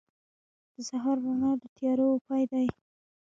• د سهار رڼا د تیارو پای دی.